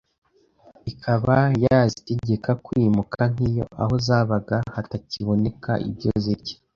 Ikaba yazitegeka kwimuka nk’iyo aho zabaga hatakiboneka ibyo zirya